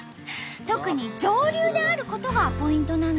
特に上流であることがポイントなんだとか。